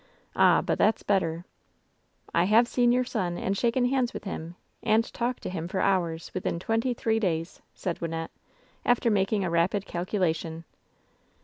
Ah ! but that's better 1" "I have seen your son and shaken hands with him, and talked to him for hours, within twenty three days," said Wynnette, after making a rapid calculation.